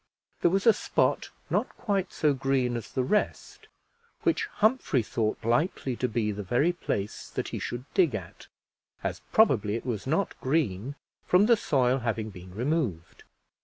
There was a spot not quite so green as the rest, which Humphrey thought likely to be the very place that he should dig at, as probably it was not green from the soil having been removed.